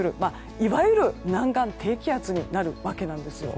いわゆる南岸低気圧になるわけなんですよ。